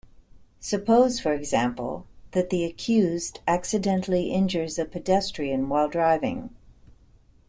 Suppose for example that the accused accidentally injures a pedestrian while driving.